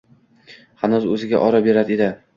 hanuz o‘ziga oro berar edi.